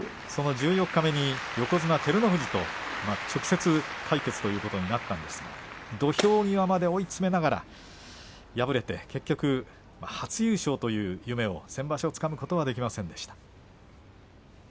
その十四日目に横綱照ノ富士と直接対決ということになったんですが土俵際まで追い詰めながら敗れて、結局初優勝という夢を先場所つかむことはできませんでした。